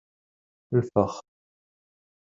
Lfex.